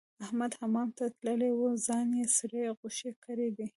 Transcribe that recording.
احمد حمام ته تللی وو؛ ځان يې سرې غوښې کړی دی.